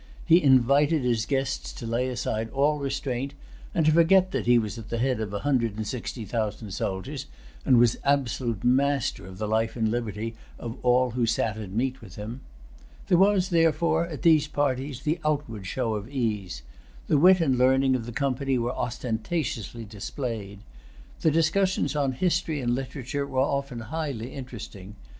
He invited his guests to lay aside all restraint, and to forget that he was at the head of a hundred and sixty thousand soldiers, and was absolute master of the life and liberty of all who sat at meat with him. There was, therefore, at these parties the outward show of ease. The wit and learning of the company were ostentatiously displayed. The discussions on history and[Pg 281] literature were often highly interesting.